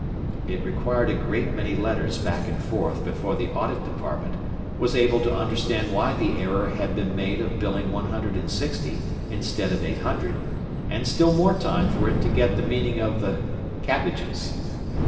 ” It required a great many letters back and forth before the Audit Department was able to understand why the error had been made of billing one hundred and sixty instead of eight hundred, and still more time for it to get the meaning of the “cabbages.